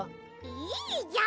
いいじゃん！